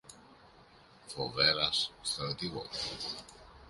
Φοβέρας, στρατηγός